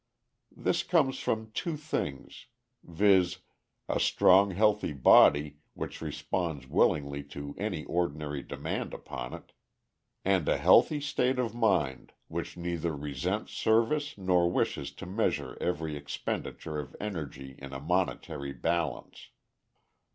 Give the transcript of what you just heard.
This comes from two things, viz., a strong, healthy body which responds willingly to any ordinary demands upon it, and a healthy state of mind which neither resents service nor wishes to measure every expenditure of energy in a monetary balance.